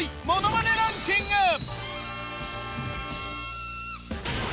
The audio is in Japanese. ものまねランキング！